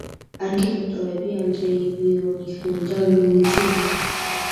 არქიტექტორები ანდრეი ვორონიხინი და ლუიჯი რუსკა.